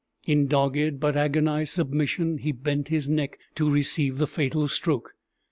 In dogged but agonized submission he bent his neck to receive the fatal stroke.